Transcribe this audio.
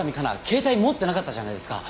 携帯持ってなかったじゃないですか。